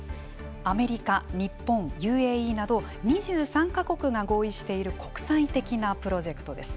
アメリカ日本ＵＡＥなど２３か国が合意している国際的なプロジェクトです。